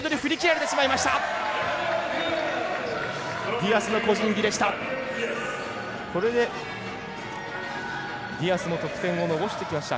ディアスの個人技でした。